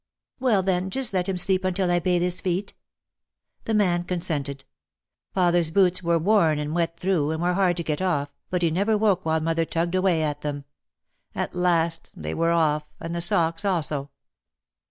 "Well, then just let him sleep until I bathe his feet." The man consented. Father's boots were worn and wet through, and were hard to get off, but he never woke while mother tugged away at them. At last they were off and the socks also.